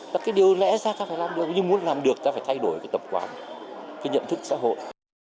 và cái điều lẽ ra ta phải làm được nhưng muốn làm được ta phải thay đổi cái tập quán cái nhận thức xã hội